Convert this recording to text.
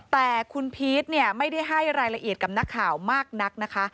แต่คุณพีชเนี่ยไม่ได้ให้รายละเอียดกับนักข่าวมากนักนะคะ